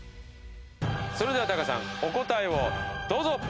それではタカさんお答えをどうぞ！